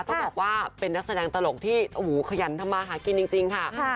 ต้องบอกว่าเป็นนักแสดงตลกที่ขยันทำมาหากินจริงค่ะ